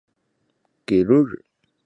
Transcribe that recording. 朴勍完是一名韩国男子棒球运动员。